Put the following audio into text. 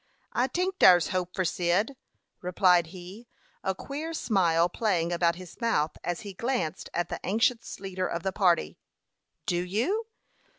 "I tink dar's hope for Cyd," replied he, a queer smile playing about his mouth as he glanced at the anxious leader of the party. "Do you?